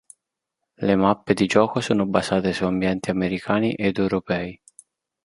Le mappe di gioco sono basate su ambienti americani ed europei.